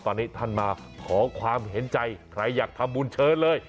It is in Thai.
ตอนนี้ท่านมาขอความเห็นใจใครอยากทำบุญเชิญเลย